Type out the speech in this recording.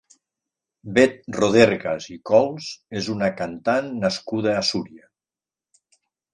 Beth Rodergas i Cols és una cantant nascuda a Súria.